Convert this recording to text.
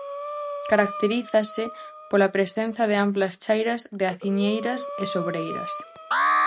Caracterízase pola presenza de amplas chairas de aciñeiras e sobreiras.